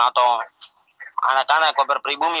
atau anak anak koper pribumi